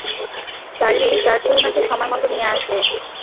Charlie, চার্চে উনাকে সময়মত নিয়ে আসবে।